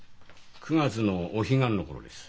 ９月のお彼岸の頃です。